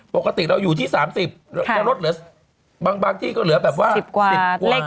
ปกติเราอยู่ที่๓๐จะลดเหลือบางที่ก็เหลือแบบว่า๑๐กว่า